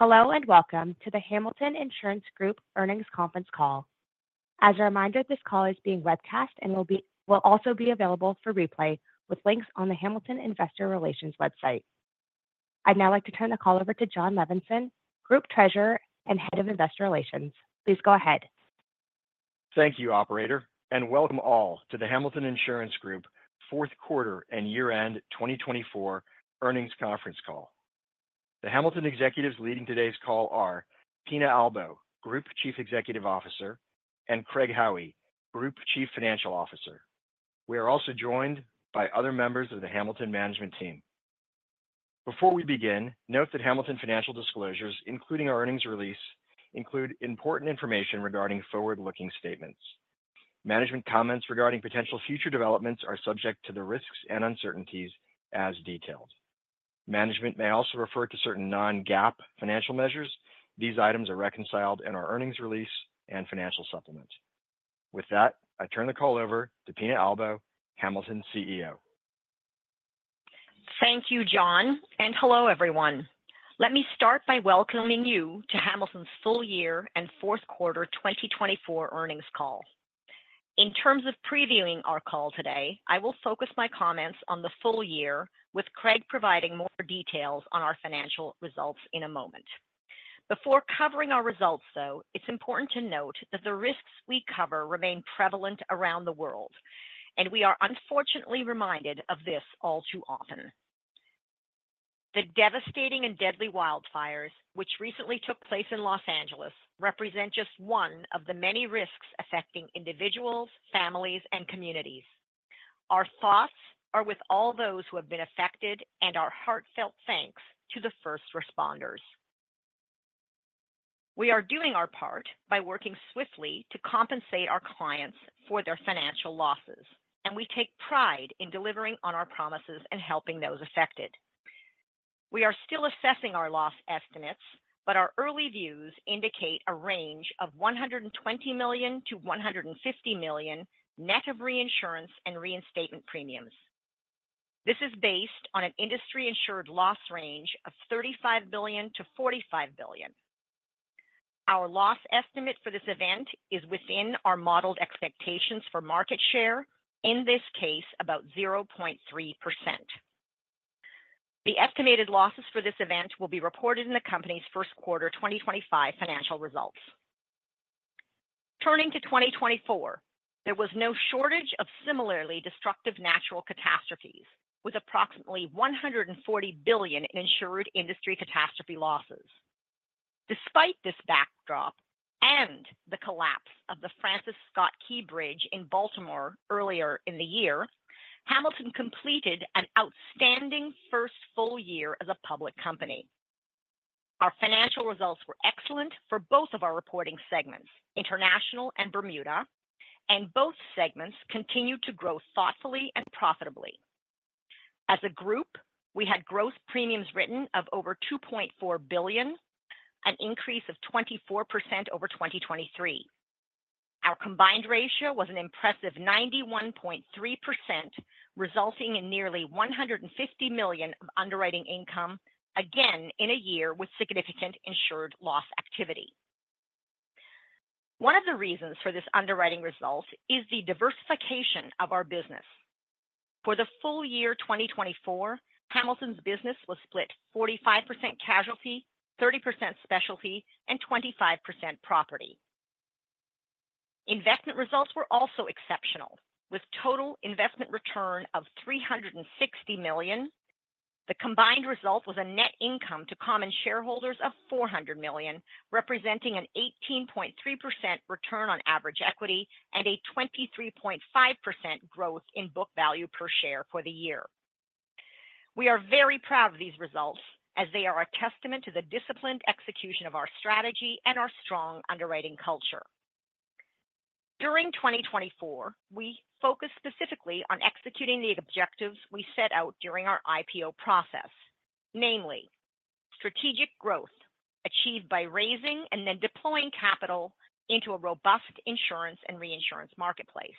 Hello, and welcome to the Hamilton Insurance Group Earnings Conference call. As a reminder, this call is being webcast and will also be available for replay with links on the Hamilton Investor Relations website. I'd now like to turn the call over to Jon Levenson, Group Treasurer and Head of Investor Relations. Please go ahead. Thank you, Operator, and welcome all to the Hamilton Insurance Group Fourth Quarter and Year-End 2024 Earnings Conference call. The Hamilton executives leading today's call are Pina Albo, Group Chief Executive Officer, and Craig Howie, Group Chief Financial Officer. We are also joined by other members of the Hamilton Management Team. Before we begin, note that Hamilton financial disclosures, including our earnings release, include important information regarding forward-looking statements. Management comments regarding potential future developments are subject to the risks and uncertainties as detailed. Management may also refer to certain non-GAAP financial measures. These items are reconciled in our earnings release and financial supplement. With that, I turn the call over to Pina Albo, Hamilton CEO. Thank you, Jon, and hello, everyone. Let me start by welcoming you to Hamilton's full year and Fourth Quarter 2024 earnings call. In terms of previewing our call today, I will focus my comments on the full year, with Craig providing more details on our financial results in a moment. Before covering our results, though, it's important to note that the risks we cover remain prevalent around the world, and we are unfortunately reminded of this all too often. The devastating and deadly wildfires, which recently took place in Los Angeles, represent just one of the many risks affecting individuals, families, and communities. Our thoughts are with all those who have been affected, and our heartfelt thanks to the first responders. We are doing our part by working swiftly to compensate our clients for their financial losses, and we take pride in delivering on our promises and helping those affected. We are still assessing our loss estimates, but our early views indicate a range of $120 million-$150 million net of reinsurance and reinstatement premiums. This is based on an industry-insured loss range of $35 billion-$45 billion. Our loss estimate for this event is within our modeled expectations for market share, in this case, about 0.3%. The estimated losses for this event will be reported in the company's First Quarter 2025 financial results. Turning to 2024, there was no shortage of similarly destructive natural catastrophes, with approximately $140 billion in insured industry catastrophe losses. Despite this backdrop and the collapse of the Francis Scott Key Bridge in Baltimore earlier in the year, Hamilton completed an outstanding first full year as a public company. Our financial results were excellent for both of our reporting segments, international and Bermuda, and both segments continued to grow thoughtfully and profitably. As a group, we had gross premiums written of over $2.4 billion, an increase of 24% over 2023. Our combined ratio was an impressive 91.3%, resulting in nearly $150 million of underwriting income, again in a year with significant insured loss activity. One of the reasons for this underwriting result is the diversification of our business. For the full year 2024, Hamilton's business was split 45% casualty, 30% specialty, and 25% property. Investment results were also exceptional. With total investment return of $360 million, the combined result was a net income to common shareholders of $400 million, representing an 18.3% return on average equity and a 23.5% growth in book value per share for the year. We are very proud of these results, as they are a testament to the disciplined execution of our strategy and our strong underwriting culture. During 2024, we focused specifically on executing the objectives we set out during our IPO process, namely, strategic growth achieved by raising and then deploying capital into a robust insurance and reinsurance marketplace.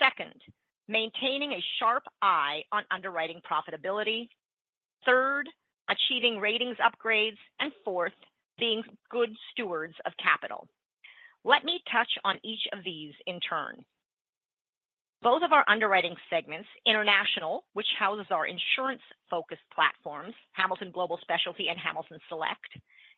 Second, maintaining a sharp eye on underwriting profitability. Third, achieving ratings upgrades, and fourth, being good stewards of capital. Let me touch on each of these in turn. Both of our underwriting segments, international, which houses our insurance-focused platforms, Hamilton Global Specialty and Hamilton Select,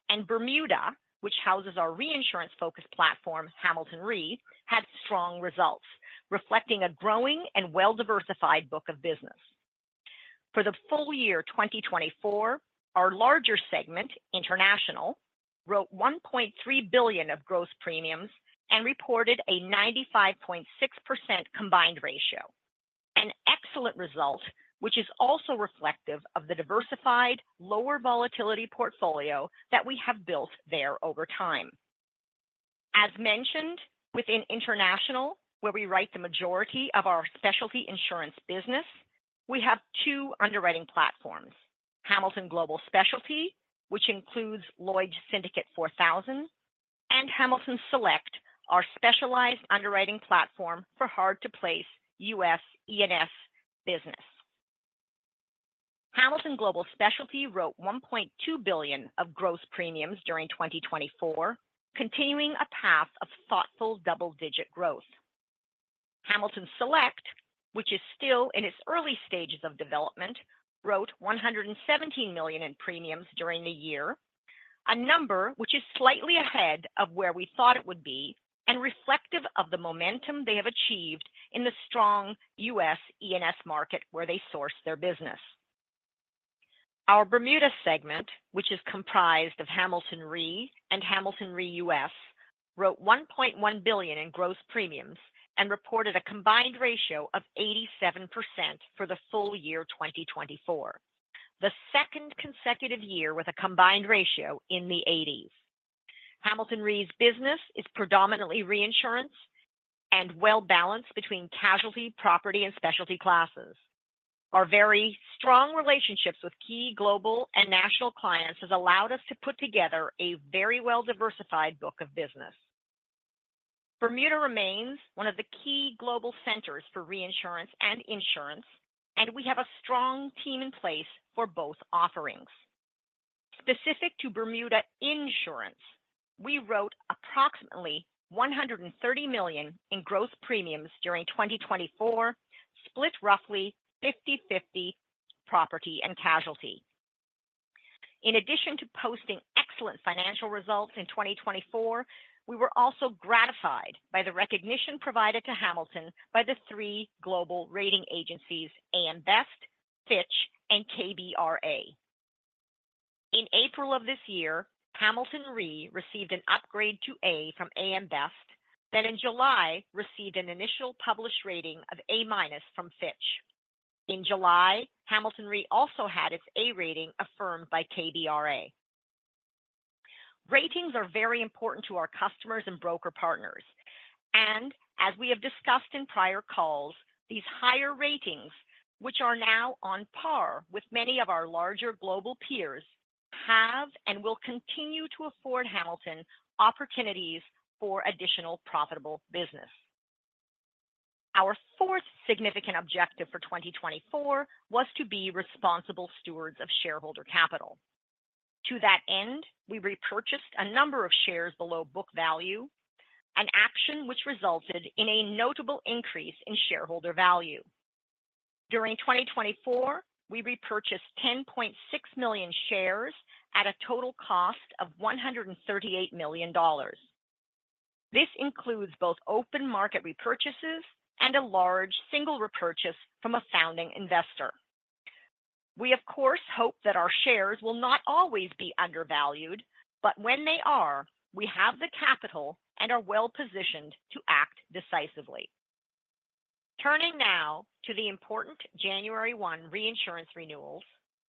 and Bermuda, which houses our reinsurance-focused platform, Hamilton Re, had strong results, reflecting a growing and well-diversified book of business. For the full year 2024, our larger segment, international, wrote $1.3 billion of gross premiums and reported a 95.6% combined ratio, an excellent result, which is also reflective of the diversified, lower volatility portfolio that we have built there over time. As mentioned, within international, where we write the majority of our specialty insurance business, we have two underwriting platforms: Hamilton Global Specialty, which includes Lloyd's Syndicate 4000, and Hamilton Select, our specialized underwriting platform for hard-to-place U.S. E&S business. Hamilton Global Specialty wrote $1.2 billion of gross premiums during 2024, continuing a path of thoughtful double-digit growth. Hamilton Select, which is still in its early stages of development, wrote $117 million in premiums during the year, a number which is slightly ahead of where we thought it would be and reflective of the momentum they have achieved in the strong U.S. E&S market where they source their business. Our Bermuda segment, which is comprised of Hamilton Re and Hamilton Re U.S., wrote $1.1 billion in gross premiums and reported a combined ratio of 87% for the full year 2024, the second consecutive year with a combined ratio in the 80s. Hamilton Re's business is predominantly reinsurance and well-balanced between casualty, property, and specialty classes. Our very strong relationships with key global and national clients have allowed us to put together a very well-diversified book of business. Bermuda remains one of the key global centers for reinsurance and insurance, and we have a strong team in place for both offerings. Specific to Bermuda Insurance, we wrote approximately $130 million in gross premiums during 2024, split roughly 50/50 property and casualty. In addition to posting excellent financial results in 2024, we were also gratified by the recognition provided to Hamilton by the three global rating agencies AM Best, Fitch, and KBRA. In April of this year, Hamilton Re received an upgrade to A from AM Best, then in July received an initial published rating of A- from Fitch. In July, Hamilton Re also had its A rating affirmed by KBRA. Ratings are very important to our customers and broker partners, and as we have discussed in prior calls, these higher ratings, which are now on par with many of our larger global peers, have and will continue to afford Hamilton opportunities for additional profitable business. Our fourth significant objective for 2024 was to be responsible stewards of shareholder capital. To that end, we repurchased a number of shares below book value, an action which resulted in a notable increase in shareholder value. During 2024, we repurchased 10.6 million shares at a total cost of $138 million. This includes both open market repurchases and a large single repurchase from a founding investor. We, of course, hope that our shares will not always be undervalued, but when they are, we have the capital and are well-positioned to act decisively. Turning now to the important January 1 reinsurance renewals,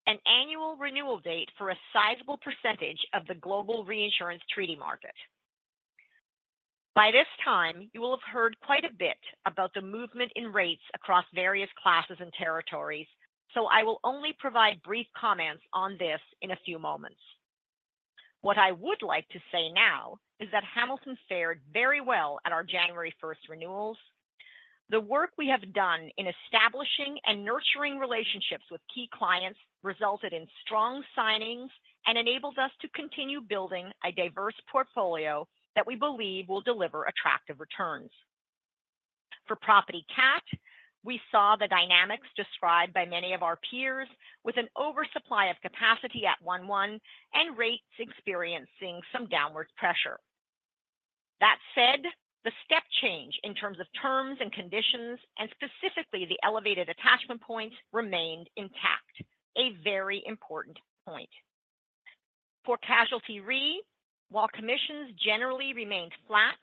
an annual renewal date for a sizable percentage of the global reinsurance treaty market. By this time, you will have heard quite a bit about the movement in rates across various classes and territories, so I will only provide brief comments on this in a few moments. What I would like to say now is that Hamilton fared very well at our January 1 renewals. The work we have done in establishing and nurturing relationships with key clients resulted in strong signings and enabled us to continue building a diverse portfolio that we believe will deliver attractive returns. For Property Cat, we saw the dynamics described by many of our peers, with an oversupply of capacity at 1/1 and rates experiencing some downward pressure. That said, the step change in terms of terms and conditions, and specifically the elevated attachment points, remained intact, a very important point. For Casualty Re, while commissions generally remained flat,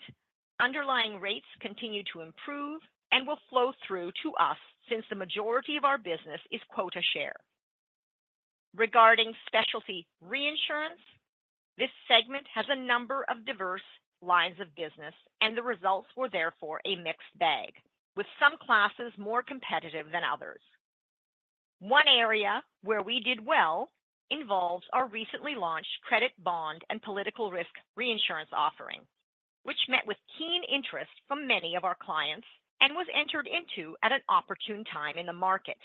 underlying rates continued to improve and will flow through to us since the majority of our business is quota share. Regarding Specialty Reinsurance, this segment has a number of diverse lines of business, and the results were therefore a mixed bag, with some classes more competitive than others. One area where we did well involves our recently launched Credit Bond and Political Risk Reinsurance offering, which met with keen interest from many of our clients and was entered into at an opportune time in the market.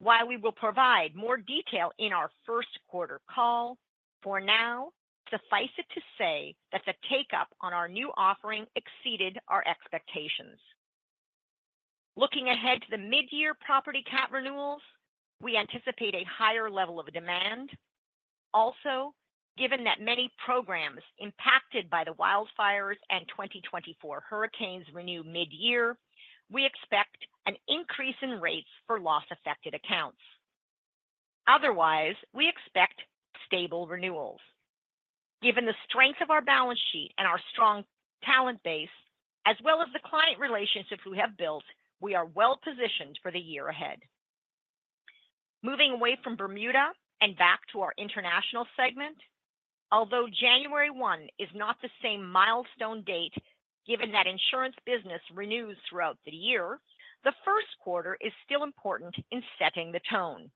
While we will provide more detail in our first quarter call, for now, suffice it to say that the take-up on our new offering exceeded our expectations. Looking ahead to the mid-year Property Cat renewals, we anticipate a higher level of demand. Also, given that many programs impacted by the wildfires and 2024 hurricanes renew mid-year, we expect an increase in rates for loss-affected accounts. Otherwise, we expect stable renewals. Given the strength of our balance sheet and our strong talent base, as well as the client relationships we have built, we are well-positioned for the year ahead. Moving away from Bermuda and back to our international segment, although January 1 is not the same milestone date given that insurance business renews throughout the year, the first quarter is still important in setting the tone.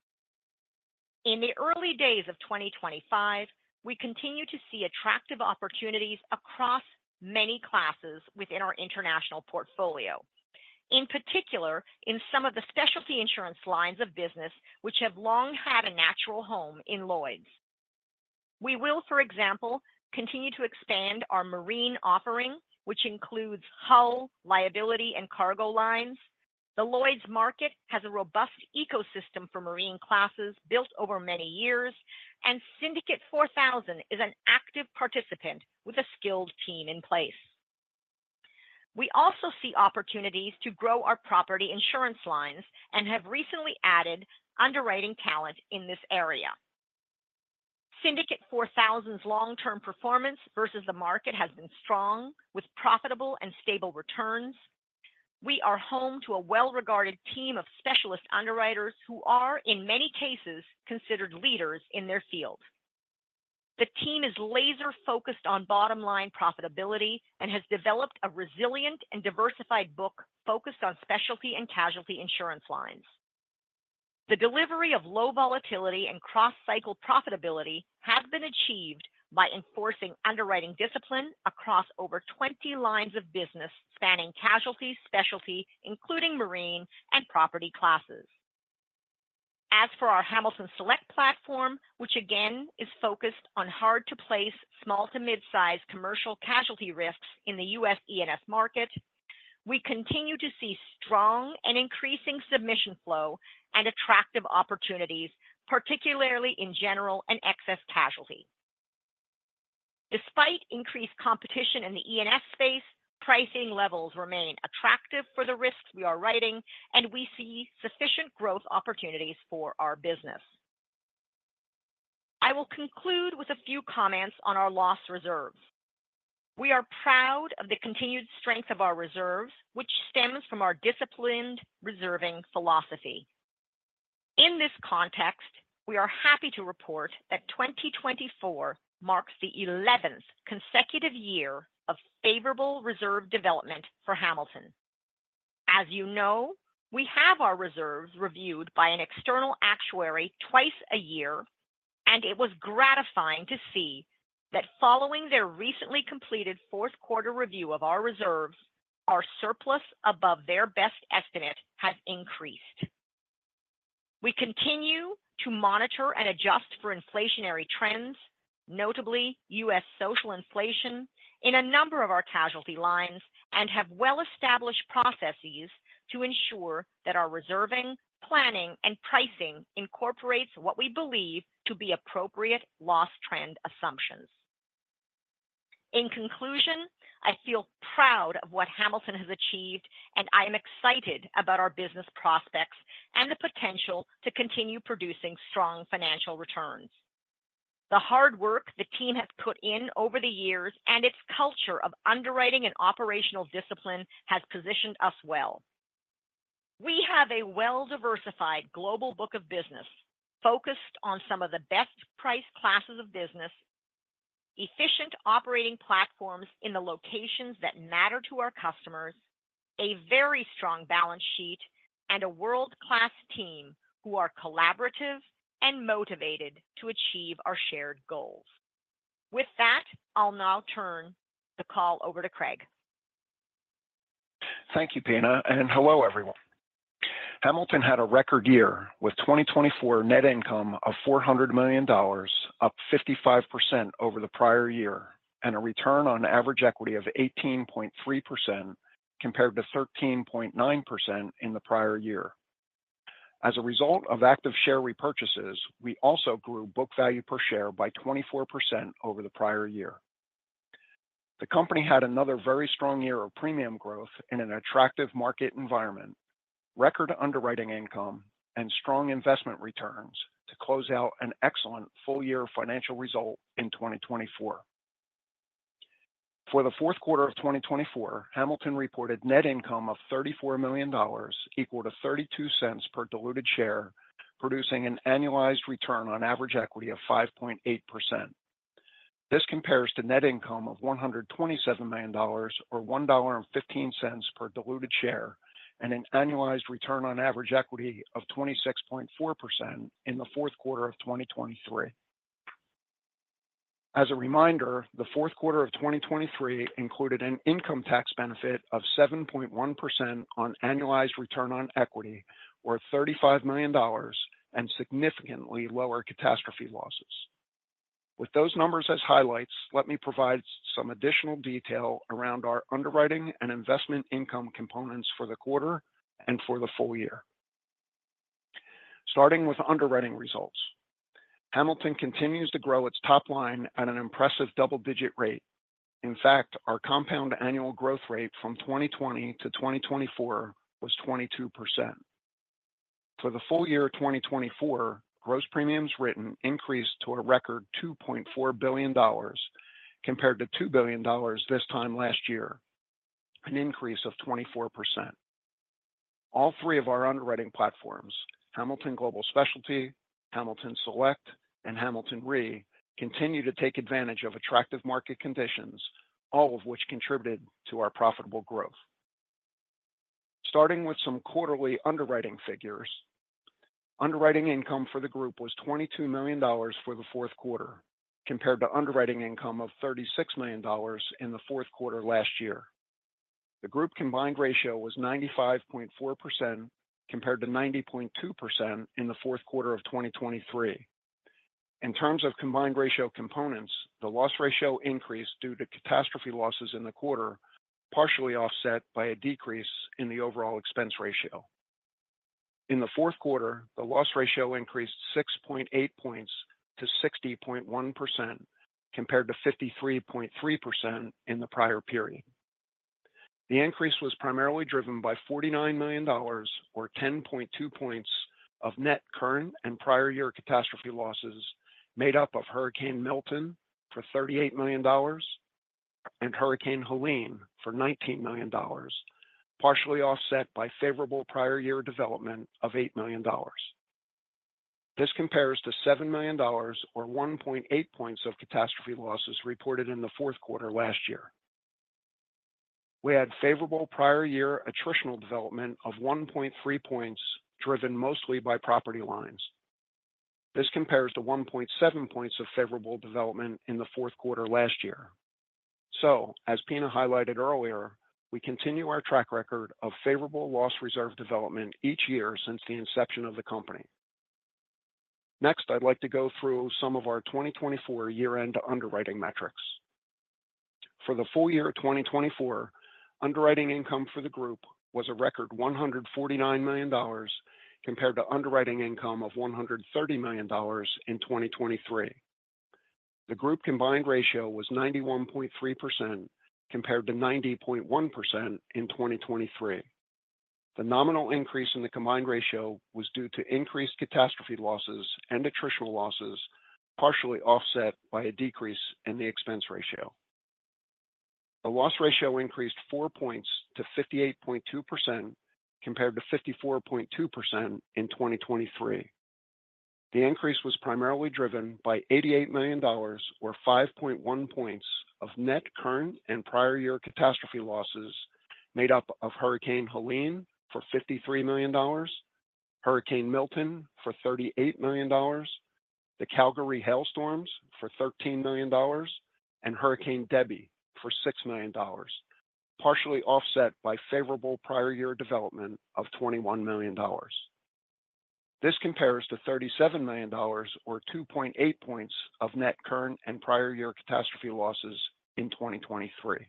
In the early days of 2025, we continue to see attractive opportunities across many classes within our international portfolio, in particular in some of the specialty insurance lines of business, which have long had a natural home in Lloyd's. We will, for example, continue to expand our marine offering, which includes Hull, Liability, and Cargo Lines. The Lloyd's market has a robust ecosystem for marine classes built over many years, and Syndicate 4000 is an active participant with a skilled team in place. We also see opportunities to grow our property insurance lines and have recently added underwriting talent in this area. Syndicate 4000's long-term performance versus the market has been strong, with profitable and stable returns. We are home to a well-regarded team of specialist underwriters who are, in many cases, considered leaders in their field. The team is laser-focused on bottom-line profitability and has developed a resilient and diversified book focused on specialty and casualty insurance lines. The delivery of low volatility and cross-cycle profitability has been achieved by enforcing underwriting discipline across over 20 lines of business spanning casualty, specialty, including marine and property classes. As for our Hamilton Select platform, which again is focused on hard-to-place, small-to-mid-size commercial casualty risks in the U.S. E&S market, we continue to see strong and increasing submission flow and attractive opportunities, particularly in general and excess casualty. Despite increased competition in the E&S space, pricing levels remain attractive for the risks we are writing, and we see sufficient growth opportunities for our business. I will conclude with a few comments on our loss reserves. We are proud of the continued strength of our reserves, which stems from our disciplined reserving philosophy. In this context, we are happy to report that 2024 marks the 11th consecutive year of favorable reserve development for Hamilton. As you know, we have our reserves reviewed by an external actuary twice a year, and it was gratifying to see that following their recently completed fourth quarter review of our reserves, our surplus above their best estimate has increased. We continue to monitor and adjust for inflationary trends, notably U.S. social inflation, in a number of our casualty lines and have well-established processes to ensure that our reserving, planning, and pricing incorporates what we believe to be appropriate loss trend assumptions. In conclusion, I feel proud of what Hamilton has achieved, and I am excited about our business prospects and the potential to continue producing strong financial returns. The hard work the team has put in over the years and its culture of underwriting and operational discipline has positioned us well. We have a well-diversified global book of business focused on some of the best-priced classes of business, efficient operating platforms in the locations that matter to our customers, a very strong balance sheet, and a world-class team who are collaborative and motivated to achieve our shared goals. With that, I'll now turn the call over to Craig. Thank you, Pina, and hello, everyone. Hamilton had a record year with 2024 net income of $400 million, up 55% over the prior year, and a return on average equity of 18.3% compared to 13.9% in the prior year. As a result of active share repurchases, we also grew book value per share by 24% over the prior year. The company had another very strong year of premium growth in an attractive market environment, record underwriting income, and strong investment returns to close out an excellent full-year financial result in 2024. For the fourth quarter of 2024, Hamilton reported net income of $34 million equal to $0.32 per diluted share, producing an annualized return on average equity of 5.8%. This compares to net income of $127 million, or $1.15 per diluted share, and an annualized return on average equity of 26.4% in the fourth quarter of 2023. As a reminder, the fourth quarter of 2023 included an income tax benefit of 7.1% on annualized return on equity, or $35 million, and significantly lower catastrophe losses. With those numbers as highlights, let me provide some additional detail around our underwriting and investment income components for the quarter and for the full year. Starting with underwriting results, Hamilton continues to grow its top line at an impressive double-digit rate. In fact, our compound annual growth rate from 2020 to 2024 was 22%. For the full year 2024, gross premiums written increased to a record $2.4 billion compared to $2 billion this time last year, an increase of 24%. All three of our underwriting platforms, Hamilton Global Specialty, Hamilton Select, and Hamilton Re, continue to take advantage of attractive market conditions, all of which contributed to our profitable growth. Starting with some quarterly underwriting figures, underwriting income for the group was $22 million for the fourth quarter compared to underwriting income of $36 million in the fourth quarter last year. The group combined ratio was 95.4% compared to 90.2% in the fourth quarter of 2023. In terms of combined ratio components, the loss ratio increased due to catastrophe losses in the quarter, partially offset by a decrease in the overall expense ratio. In the fourth quarter, the loss ratio increased 6.8 points to 60.1% compared to 53.3% in the prior period. The increase was primarily driven by $49 million, or 10.2 points, of net current and prior year catastrophe losses made up of Hurricane Milton for $38 million and Hurricane Helene for $19 million, partially offset by favorable prior year development of $8 million. This compares to $7 million, or 1.8 points, of catastrophe losses reported in the fourth quarter last year. We had favorable prior year attritional development of 1.3 points driven mostly by property lines. This compares to 1.7 points of favorable development in the fourth quarter last year. So, as Pina highlighted earlier, we continue our track record of favorable loss reserve development each year since the inception of the company. Next, I'd like to go through some of our 2024 year-end underwriting metrics. For the full year 2024, underwriting income for the group was a record $149 million compared to underwriting income of $130 million in 2023. The group combined ratio was 91.3% compared to 90.1% in 2023. The nominal increase in the combined ratio was due to increased catastrophe losses and attritional losses, partially offset by a decrease in the expense ratio. The loss ratio increased 4 points to 58.2% compared to 54.2% in 2023. The increase was primarily driven by $88 million, or 5.1 points, of net current and prior year catastrophe losses made up of Hurricane Helene for $53 million, Hurricane Milton for $38 million, the Calgary hailstorms for $13 million, and Hurricane Debby for $6 million, partially offset by favorable prior year development of $21 million. This compares to $37 million, or 2.8 points, of net current and prior year catastrophe losses in 2023.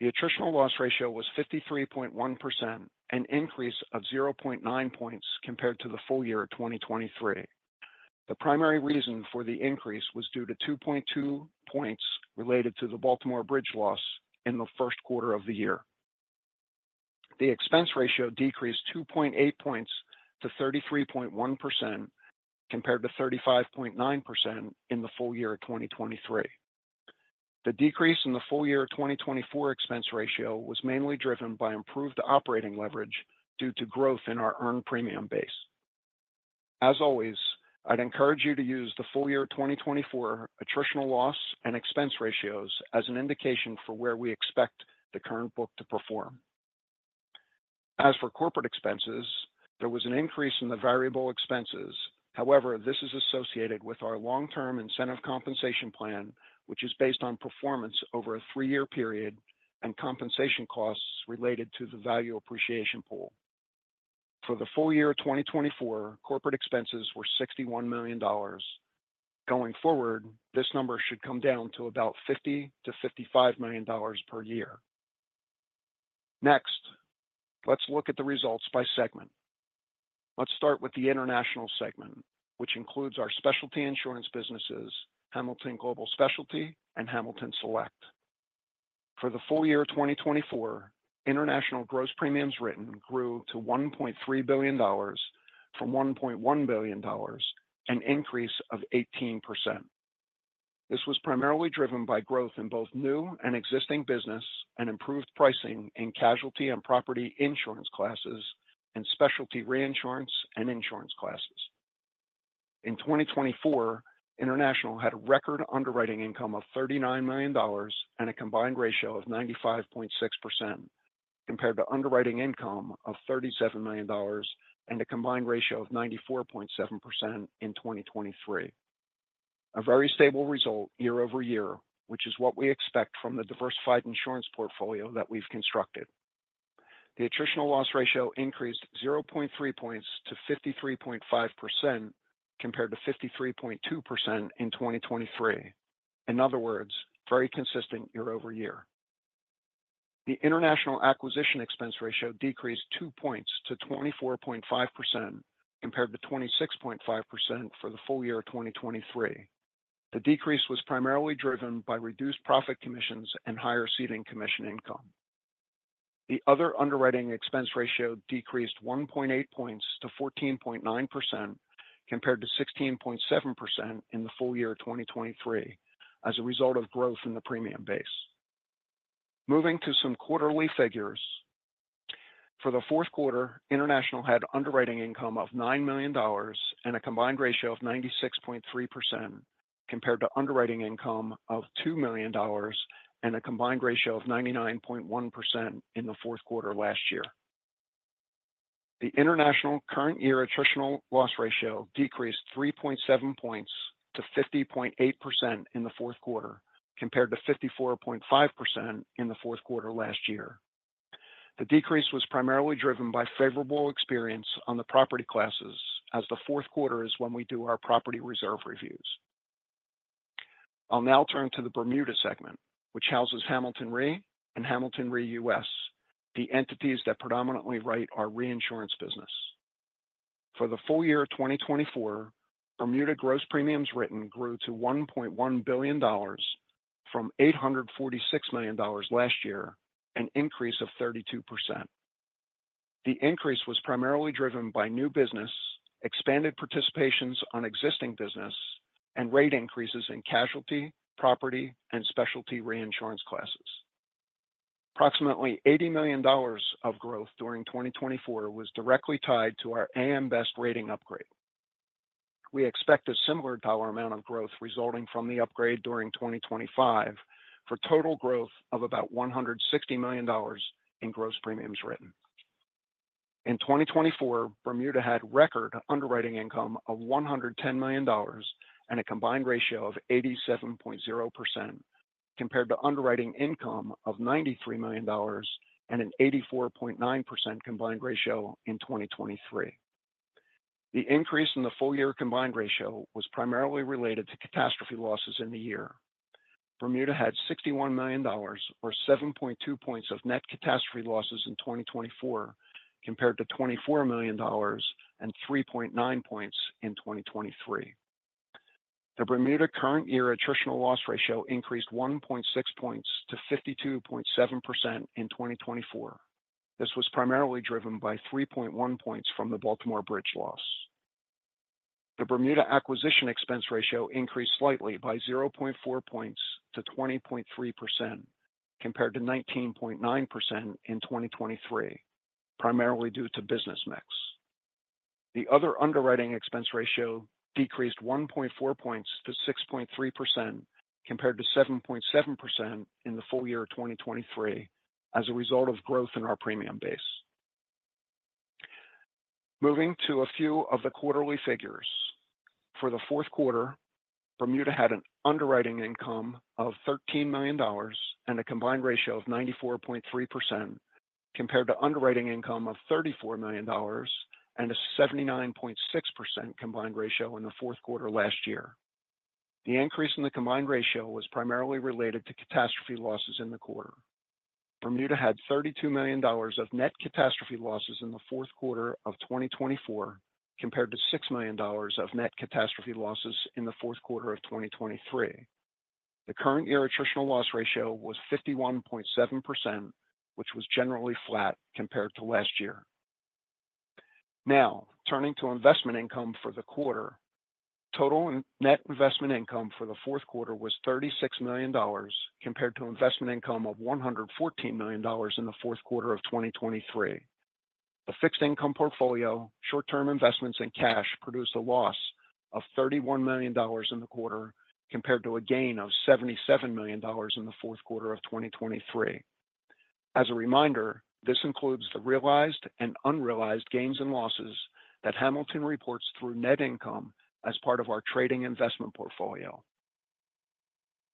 The attritional loss ratio was 53.1%, an increase of 0.9 points compared to the full year 2023. The primary reason for the increase was due to 2.2 points related to the Baltimore Bridge loss in the first quarter of the year. The expense ratio decreased 2.8 points to 33.1% compared to 35.9% in the full year 2023. The decrease in the full year 2024 expense ratio was mainly driven by improved operating leverage due to growth in our earned premium base. As always, I'd encourage you to use the full year 2024 attritional loss and expense ratios as an indication for where we expect the current book to perform. As for corporate expenses, there was an increase in the variable expenses. However, this is associated with our long-term incentive compensation plan, which is based on performance over a three-year period and compensation costs related to the value appreciation pool. For the full year 2024, corporate expenses were $61 million. Going forward, this number should come down to about $50-$55 million per year. Next, let's look at the results by segment. Let's start with the international segment, which includes our specialty insurance businesses, Hamilton Global Specialty, and Hamilton Select. For the full year 2024, international gross premiums written grew to $1.3 billion from $1.1 billion, an increase of 18%. This was primarily driven by growth in both new and existing business and improved pricing in casualty and property insurance classes and specialty reinsurance and insurance classes. In 2024, international had a record underwriting income of $39 million and a combined ratio of 95.6% compared to underwriting income of $37 million and a combined ratio of 94.7% in 2023. A very stable result year over year, which is what we expect from the diversified insurance portfolio that we've constructed. The attritional loss ratio increased 0.3 points to 53.5% compared to 53.2% in 2023. In other words, very consistent year over year. The international acquisition expense ratio decreased 2 points to 24.5% compared to 26.5% for the full year 2023. The decrease was primarily driven by reduced profit commissions and higher ceding commission income. The other underwriting expense ratio decreased 1.8 points to 14.9% compared to 16.7% in the full year 2023 as a result of growth in the premium base. Moving to some quarterly figures. For the fourth quarter, international had underwriting income of $9 million and a combined ratio of 96.3% compared to underwriting income of $2 million and a combined ratio of 99.1% in the fourth quarter last year. The international current year attritional loss ratio decreased 3.7 points to 50.8% in the fourth quarter compared to 54.5% in the fourth quarter last year. The decrease was primarily driven by favorable experience on the property classes, as the fourth quarter is when we do our property reserve reviews. I'll now turn to the Bermuda segment, which houses Hamilton Re and Hamilton Re U.S., the entities that predominantly write our reinsurance business. For the full year 2024, Bermuda gross premiums written grew to $1.1 billion from $846 million last year, an increase of 32%. The increase was primarily driven by new business, expanded participations on existing business, and rate increases in casualty, property, and specialty reinsurance classes. Approximately $80 million of growth during 2024 was directly tied to our AM Best rating upgrade. We expect a similar dollar amount of growth resulting from the upgrade during 2025 for total growth of about $160 million in gross premiums written. In 2024, Bermuda had record underwriting income of $110 million and a combined ratio of 87.0% compared to underwriting income of $93 million and an 84.9% combined ratio in 2023. The increase in the full year combined ratio was primarily related to catastrophe losses in the year. Bermuda had $61 million, or 7.2 points, of net catastrophe losses in 2024 compared to $24 million and 3.9 points in 2023. The Bermuda current year attritional loss ratio increased 1.6 points to 52.7% in 2024. This was primarily driven by 3.1 points from the Baltimore Bridge loss. The Bermuda acquisition expense ratio increased slightly by 0.4 points to 20.3% compared to 19.9% in 2023, primarily due to business mix. The other underwriting expense ratio decreased 1.4 points to 6.3% compared to 7.7% in the full year 2023 as a result of growth in our premium base. Moving to a few of the quarterly figures. For the fourth quarter, Bermuda had an underwriting income of $13 million and a combined ratio of 94.3% compared to underwriting income of $34 million and a 79.6% combined ratio in the fourth quarter last year. The increase in the combined ratio was primarily related to catastrophe losses in the quarter. Bermuda had $32 million of net catastrophe losses in the fourth quarter of 2024 compared to $6 million of net catastrophe losses in the fourth quarter of 2023. The current year attritional loss ratio was 51.7%, which was generally flat compared to last year. Now, turning to investment income for the quarter, total net investment income for the fourth quarter was $36 million compared to investment income of $114 million in the fourth quarter of 2023. The fixed income portfolio, short-term investments, and cash produced a loss of $31 million in the quarter compared to a gain of $77 million in the fourth quarter of 2023. As a reminder, this includes the realized and unrealized gains and losses that Hamilton reports through net income as part of our trading investment portfolio.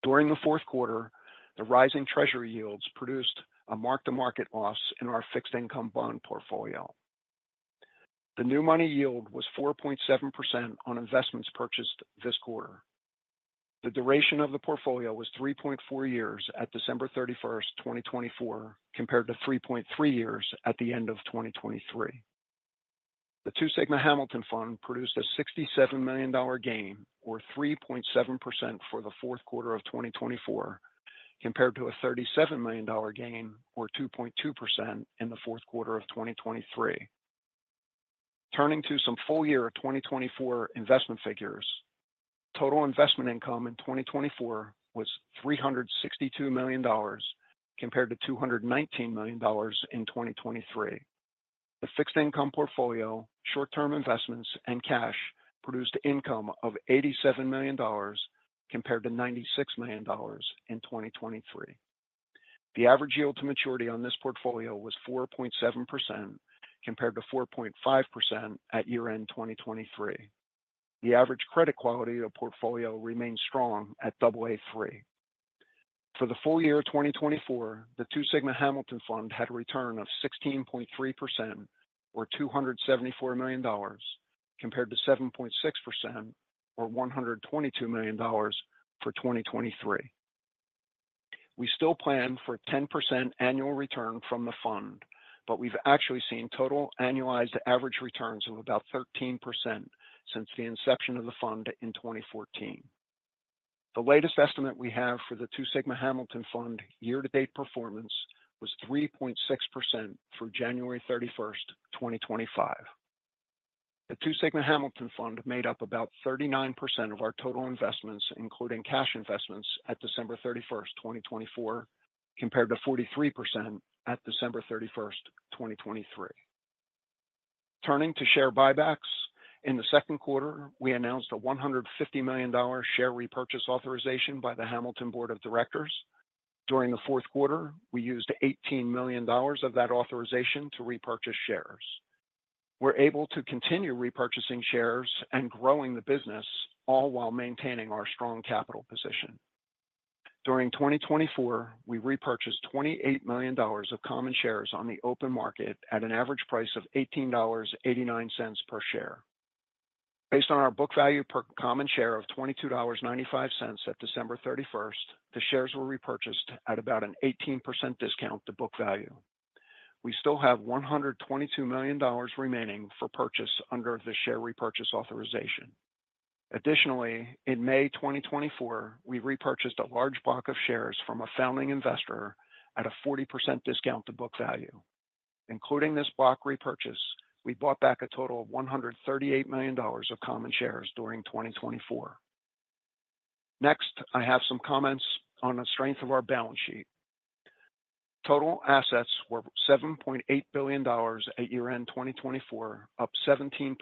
During the fourth quarter, the rising treasury yields produced a mark-to-market loss in our fixed income bond portfolio. The new money yield was 4.7% on investments purchased this quarter. The duration of the portfolio was 3.4 years at December 31, 2024, compared to 3.3 years at the end of 2023. The Two Sigma Hamilton Fund produced a $67 million gain, or 3.7%, for the fourth quarter of 2024 compared to a $37 million gain, or 2.2%, in the fourth quarter of 2023. Turning to some full year 2024 investment figures, total investment income in 2024 was $362 million compared to $219 million in 2023. The fixed income portfolio, short-term investments, and cash produced income of $87 million compared to $96 million in 2023. The average yield to maturity on this portfolio was 4.7% compared to 4.5% at year-end 2023. The average credit quality of portfolio remained strong at AA3. For the full year 2024, the Two Sigma Hamilton Fund had a return of 16.3%, or $274 million, compared to 7.6%, or $122 million for 2023. We still plan for a 10% annual return from the fund, but we've actually seen total annualized average returns of about 13% since the inception of the fund in 2014. The latest estimate we have for the Two Sigma Hamilton Fund year-to-date performance was 3.6% for January 31, 2025. The Two Sigma Hamilton Fund made up about 39% of our total investments, including cash investments, at December 31, 2024, compared to 43% at December 31, 2023. Turning to share buybacks, in the second quarter, we announced a $150 million share repurchase authorization by the Hamilton Board of Directors. During the fourth quarter, we used $18 million of that authorization to repurchase shares. We're able to continue repurchasing shares and growing the business, all while maintaining our strong capital position. During 2024, we repurchased $28 million of common shares on the open market at an average price of $18.89 per share. Based on our book value per common share of $22.95 at December 31, the shares were repurchased at about an 18% discount to book value. We still have $122 million remaining for purchase under the share repurchase authorization. Additionally, in May 2024, we repurchased a large block of shares from a founding investor at a 40% discount to book value. Including this block repurchase, we bought back a total of $138 million of common shares during 2024. Next, I have some comments on the strength of our balance sheet. Total assets were $7.8 billion at year-end 2024, up 17%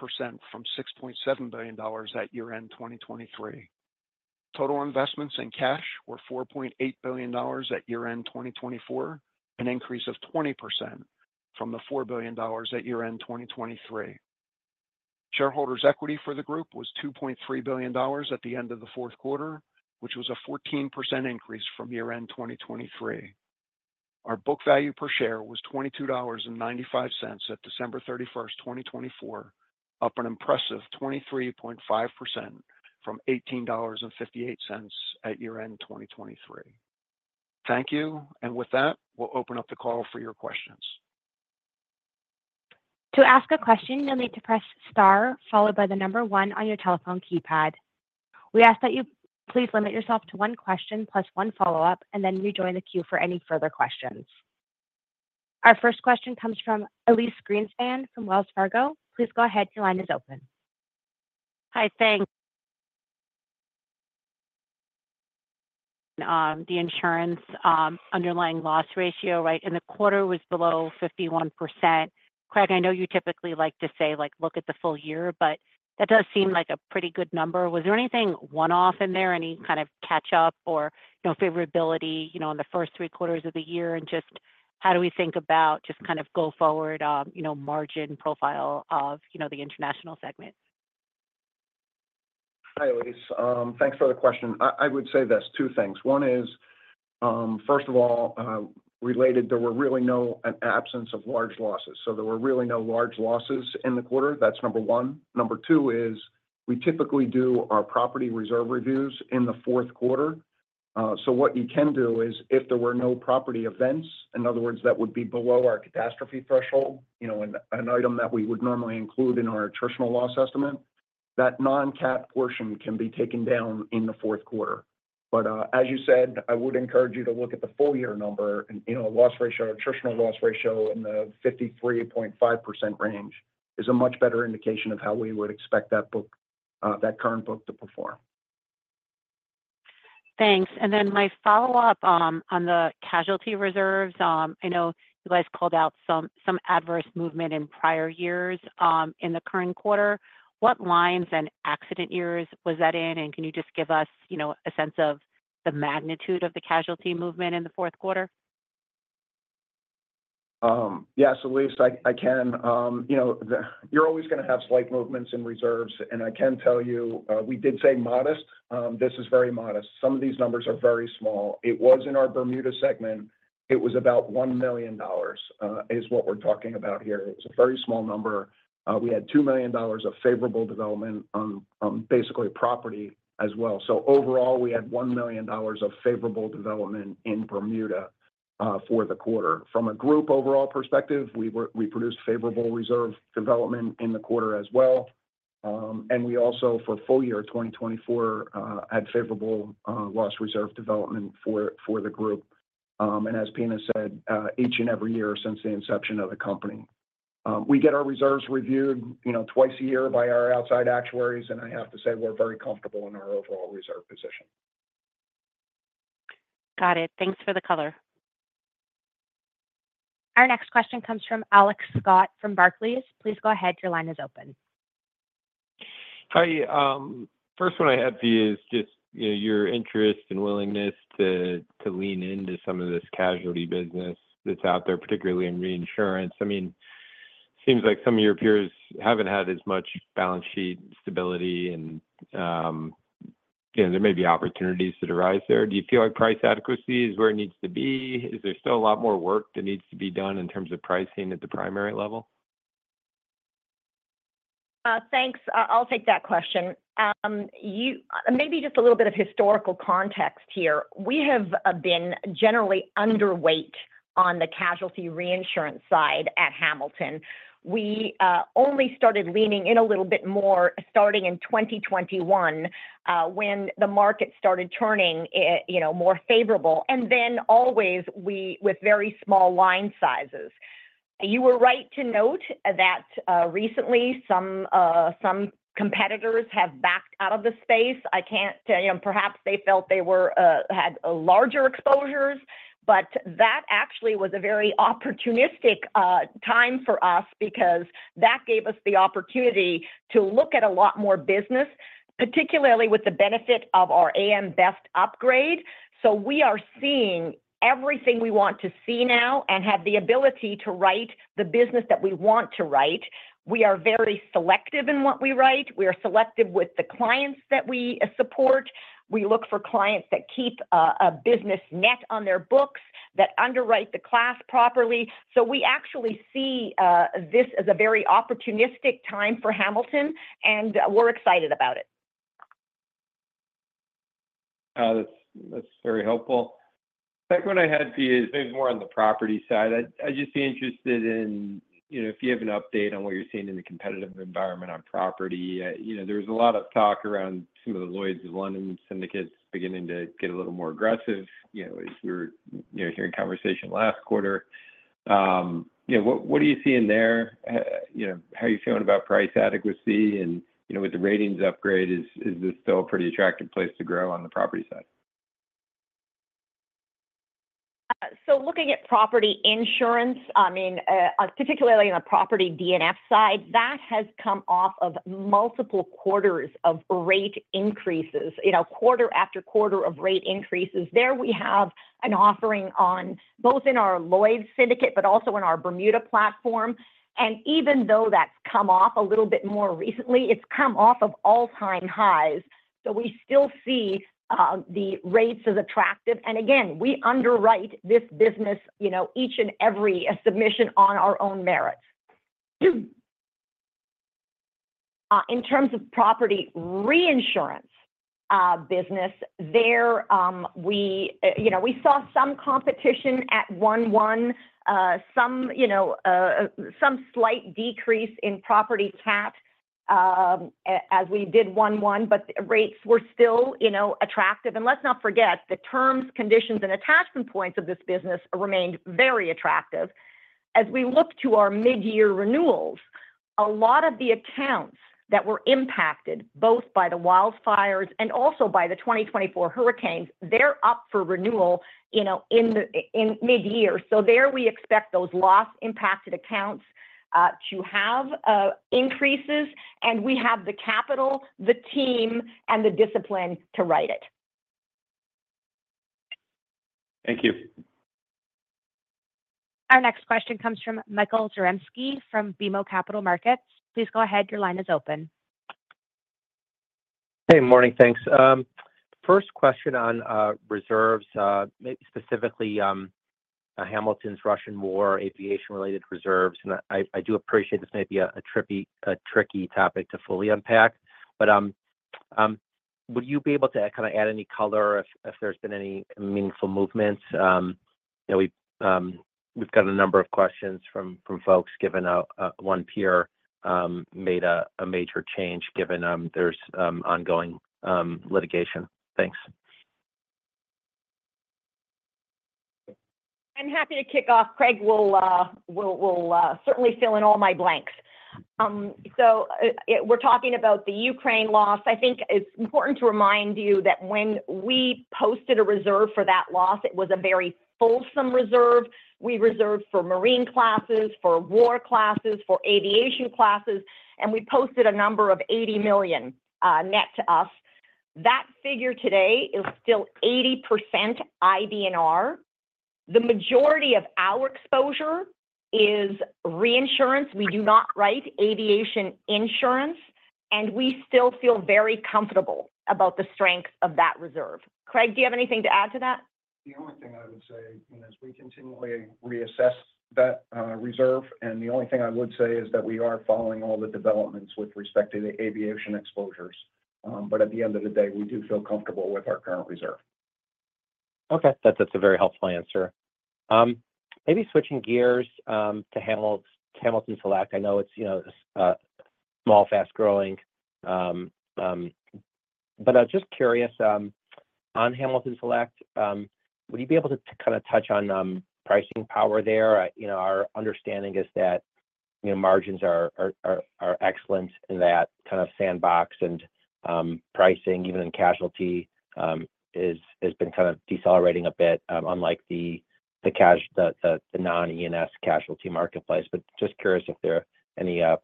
from $6.7 billion at year-end 2023. Total investments in cash were $4.8 billion at year-end 2024, an increase of 20% from the $4 billion at year-end 2023. Shareholders' equity for the group was $2.3 billion at the end of the fourth quarter, which was a 14% increase from year-end 2023. Our book value per share was $22.95 at December 31, 2024, up an impressive 23.5% from $18.58 at year-end 2023. Thank you. With that, we'll open up the call for your questions. To ask a question, you'll need to press star, followed by the number one on your telephone keypad. We ask that you please limit yourself to one question plus one follow-up, and then rejoin the queue for any further questions. Our first question comes from Elyse Greenspan from Wells Fargo. Please go ahead. Your line is open. Hi, thanks. The insurance underlying loss ratio, right, in the quarter was below 51%. Craig, I know you typically like to say, like, look at the full year, but that does seem like a pretty good number. Was there anything one-off in there, any kind of catch-up or favorability, you know, in the first three quarters of the year? And just how do we think about just kind of go forward, you know, margin profile of, you know, the international segment? Hi, Elise. Thanks for the question. I would say there's two things. One is, first of all, related, there were really no absence of large losses. So there were really no large losses in the quarter. That's number one. Number two is we typically do our property reserve reviews in the fourth quarter. So what you can do is, if there were no property events, in other words, that would be below our catastrophe threshold, you know, an item that we would normally include in our attritional loss estimate, that non-cap portion can be taken down in the fourth quarter. But as you said, I would encourage you to look at the full year number, and, you know, loss ratio, attritional loss ratio in the 53.5% range is a much better indication of how we would expect that current book to perform. Thanks. And then my follow-up on the casualty reserves. I know you guys called out some adverse movement in prior years in the current quarter. What lines and accident years was that in? And can you just give us, you know, a sense of the magnitude of the casualty movement in the fourth quarter? Yes, Elise, I can. You know, you're always going to have slight movements in reserves, and I can tell you we did say modest. This is very modest. Some of these numbers are very small. It was in our Bermuda segment, it was about $1 million is what we're talking about here. It was a very small number. We had $2 million of favorable development on basically property as well, so overall, we had $1 million of favorable development in Bermuda for the quarter. From a group overall perspective, we produced favorable reserve development in the quarter as well, and we also, for full year 2024, had favorable loss reserve development for the group, and as Pina said, each and every year since the inception of the company, we get our reserves reviewed, you know, twice a year by our outside actuaries. I have to say we're very comfortable in our overall reserve position. Got it. Thanks for the color. Our next question comes from Alex Scott from Barclays. Please go ahead. Your line is open. Hi. First one I have for you is just your interest and willingness to lean into some of this casualty business that's out there, particularly in reinsurance. I mean, it seems like some of your peers haven't had as much balance sheet stability, and there may be opportunities that arise there. Do you feel like price adequacy is where it needs to be? Is there still a lot more work that needs to be done in terms of pricing at the primary level? Thanks. I'll take that question. Maybe just a little bit of historical context here. We have been generally underweight on the casualty reinsurance side at Hamilton. We only started leaning in a little bit more starting in 2021 when the market started turning, you know, more favorable. And then always with very small line sizes. You were right to note that recently some competitors have backed out of the space. I can't, you know, perhaps they felt they had larger exposures. But that actually was a very opportunistic time for us because that gave us the opportunity to look at a lot more business, particularly with the benefit of our A.M. Best upgrade. So we are seeing everything we want to see now and have the ability to write the business that we want to write. We are very selective in what we write. We are selective with the clients that we support. We look for clients that keep a business net on their books, that underwrite the class properly. So we actually see this as a very opportunistic time for Hamilton, and we're excited about it. That's very helpful. Second one I had for you is maybe more on the property side. I'd just be interested in, you know, if you have an update on what you're seeing in the competitive environment on property. You know, there was a lot of talk around some of the Lloyd's of London syndicates beginning to get a little more aggressive. You know, we were hearing conversation last quarter. You know, what are you seeing there? You know, how are you feeling about price adequacy? And, you know, with the ratings upgrade, is this still a pretty attractive place to grow on the property side? So looking at property insurance, I mean, particularly on the property DNF side, that has come off of multiple quarters of rate increases, you know, quarter after quarter of rate increases. There we have an offering on both in our Lloyd's syndicate, but also in our Bermuda platform. And even though that's come off a little bit more recently, it's come off of all-time highs. So we still see the rates as attractive. And again, we underwrite this business, you know, each and every submission on our own merits. In terms of property reinsurance business, there, you know, we saw some competition at 1-1, some, you know, some slight decrease in property cat as we did 1-1, but rates were still, you know, attractive. And let's not forget the terms, conditions, and attachment points of this business remained very attractive. As we look to our mid-year renewals, a lot of the accounts that were impacted both by the wildfires and also by the 2024 hurricanes, they're up for renewal, you know, in mid-year. So there we expect those loss-impacted accounts to have increases. And we have the capital, the team, and the discipline to write it. Thank you. Our next question comes from Michael Zaremski from BMO Capital Markets. Please go ahead. Your line is open. Hey, morning. Thanks. First question on reserves, specifically Hamilton's Russian War aviation-related reserves. And I do appreciate this may be a tricky topic to fully unpack. But would you be able to kind of add any color if there's been any meaningful movements? We've got a number of questions from folks, given one peer made a major change given there's ongoing litigation. Thanks. I'm happy to kick off. Craig will certainly fill in all my blanks. So we're talking about the Ukraine loss. I think it's important to remind you that when we posted a reserve for that loss, it was a very fulsome reserve. We reserved for marine classes, for war classes, for aviation classes. And we posted a number of $80 million net to us. That figure today is still 80% IBNR. The majority of our exposure is reinsurance. We do not write aviation insurance. And we still feel very comfortable about the strength of that reserve. Craig, do you have anything to add to that? The only thing I would say, you know, is we continually reassess that reserve. And the only thing I would say is that we are following all the developments with respect to the aviation exposures. But at the end of the day, we do feel comfortable with our current reserve. Okay. That's a very helpful answer. Maybe switching gears to Hamilton Select. I know it's, you know, small, fast-growing. But just curious, on Hamilton Select, would you be able to kind of touch on pricing power there? You know, our understanding is that, you know, margins are excellent in that kind of sandbox. And pricing, even in casualty, has been kind of decelerating a bit, unlike the non-E&S casualty marketplace. But just curious if there are any kind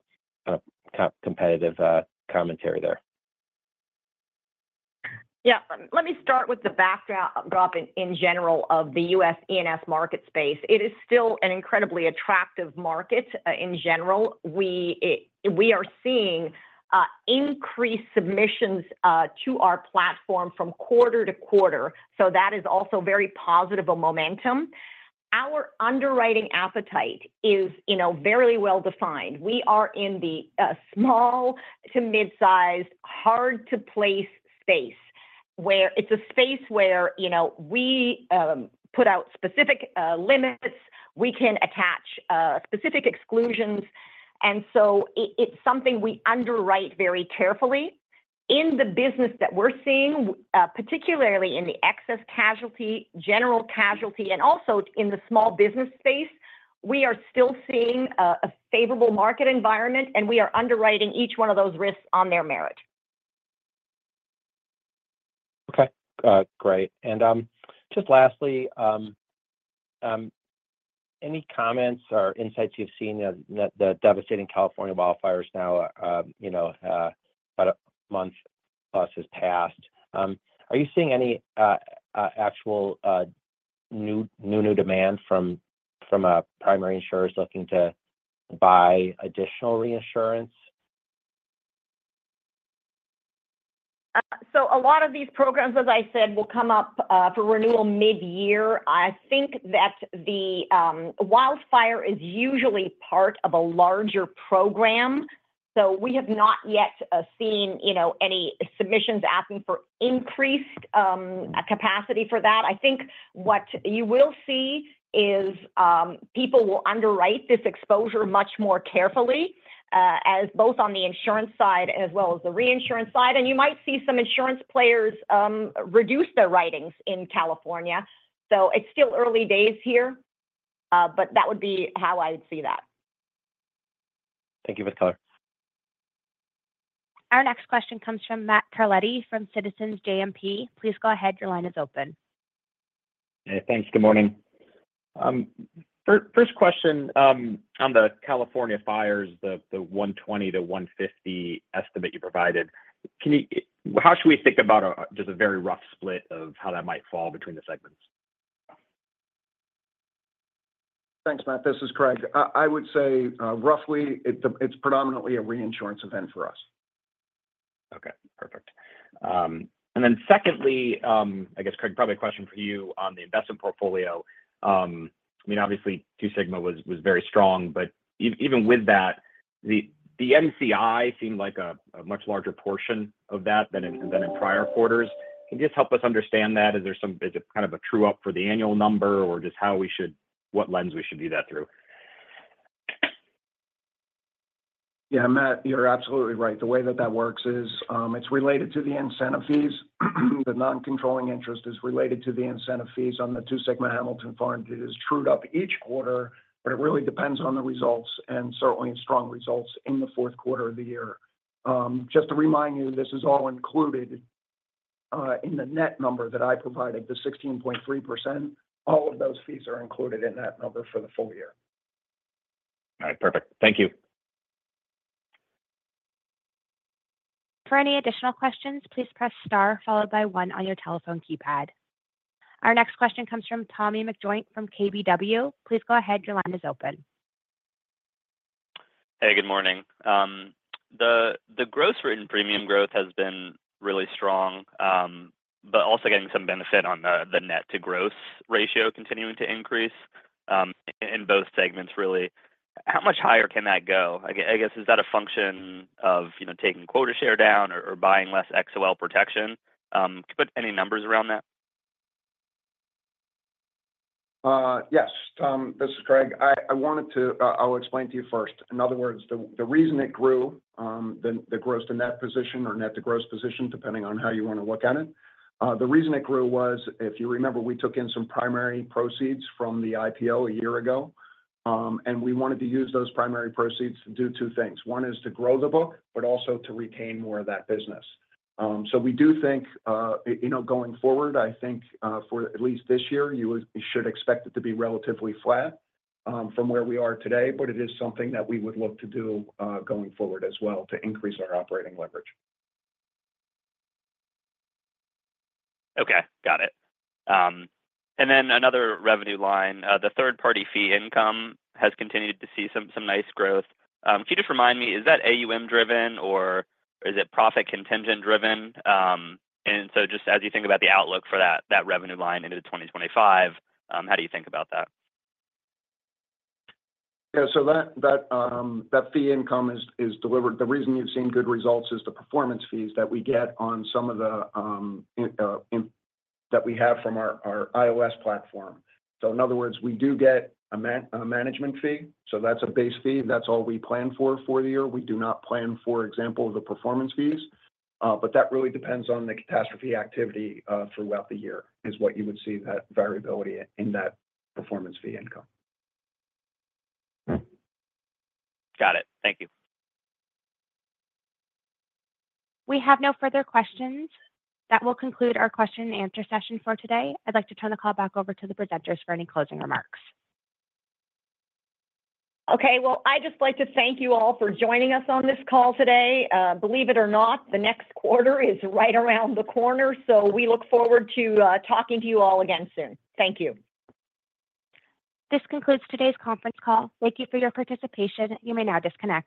of competitive commentary there. Yeah. Let me start with the backdrop in general of the U.S. E&S market space. It is still an incredibly attractive market in general. We are seeing increased submissions to our platform from quarter to quarter. So that is also very positive of momentum. Our underwriting appetite is, you know, very well defined. We are in the small to mid-sized, hard-to-place space where it's a space where, you know, we put out specific limits. We can attach specific exclusions. And so it's something we underwrite very carefully. In the business that we're seeing, particularly in the excess casualty, general casualty, and also in the small business space, we are still seeing a favorable market environment. And we are underwriting each one of those risks on their merit. Okay. Great. And just lastly, any comments or insights you've seen? The devastating California wildfires now, you know, about a month plus has passed. Are you seeing any actual new demand from primary insurers looking to buy additional reinsurance? So a lot of these programs, as I said, will come up for renewal mid-year. I think that the wildfire is usually part of a larger program. So we have not yet seen, you know, any submissions asking for increased capacity for that. I think what you will see is people will underwrite this exposure much more carefully as both on the insurance side as well as the reinsurance side. And you might see some insurance players reduce their writings in California. So it's still early days here. But that would be how I'd see that. Thank you for the color. Our next question comes from Matt Carletti from Citizens JMP. Please go ahead. Your line is open. Hey, thanks. Good morning. First question on the California fires, the 120-150 estimate you provided, how should we think about just a very rough split of how that might fall between the segments? Thanks, Matt. This is Craig. I would say roughly it's predominantly a reinsurance event for us. Okay. Perfect. And then secondly, I guess, Craig, probably a question for you on the investment portfolio. I mean, obviously, Two Sigma was very strong. But even with that, the MCI seemed like a much larger portion of that than in prior quarters. Can you just help us understand that? Is there some kind of a true-up for the annual number or just how we should, what lens we should view that through? Yeah, Matt, you're absolutely right. The way that that works is it's related to the incentive fees. The non-controlling interest is related to the incentive fees on the Two Sigma Hamilton Fund. It is trued up each quarter, but it really depends on the results and certainly strong results in the fourth quarter of the year. Just to remind you, this is all included in the net number that I provided, the 16.3%. All of those fees are included in that number for the full year. All right. Perfect. Thank you. For any additional questions, please press star followed by one on your telephone keypad. Our next question comes from Tommy McJoynt from KBW. Please go ahead. Your line is open. Hey, good morning. The gross written premium growth has been really strong, but also getting some benefit on the net-to-gross ratio continuing to increase in both segments, really. How much higher can that go? I guess, is that a function of, you know, taking quota share down or buying less XOL protection? Can you put any numbers around that? Yes. This is Craig. I wanted to, I'll explain to you first. In other words, the reason it grew, the gross to net position or net-to-gross position, depending on how you want to look at it, the reason it grew was, if you remember, we took in some primary proceeds from the IPO a year ago, and we wanted to use those primary proceeds to do two things. One is to grow the book, but also to retain more of that business, so we do think, you know, going forward, I think for at least this year, you should expect it to be relatively flat from where we are today, but it is something that we would look to do going forward as well to increase our operating leverage. Okay. Got it. And then another revenue line, the third-party fee income has continued to see some nice growth. Can you just remind me, is that AUM-driven or is it profit contingent-driven? And so just as you think about the outlook for that revenue line into 2025, how do you think about that? Yeah. So that fee income is delivered. The reason you've seen good results is the performance fees that we get on some of that we have from our ILS platform. So in other words, we do get a management fee. So that's a base fee. That's all we plan for the year. We do not plan, for example, the performance fees. But that really depends on the catastrophe activity throughout the year, is what you would see that variability in that performance fee income. Got it. Thank you. We have no further questions. That will conclude our question-and-answer session for today. I'd like to turn the call back over to the presenters for any closing remarks. Okay. Well, I'd just like to thank you all for joining us on this call today. Believe it or not, the next quarter is right around the corner. So we look forward to talking to you all again soon. Thank you. This concludes today's conference call. Thank you for your participation. You may now disconnect.